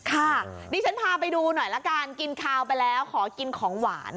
ค่ะดิฉันพาไปดูหน่อยละกันกินข้าวไปแล้วขอกินของหวาน